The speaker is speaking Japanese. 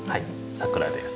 桜です。